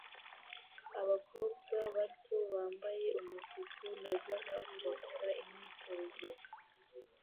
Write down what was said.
Abakobwa bato bambaye umutuku na zahabu bakora imyitozo